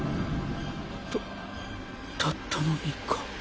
たたったの３日。